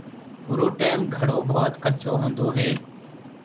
اُرو ٽيم گھڙو ڀوت ڪچو هوندو هي۔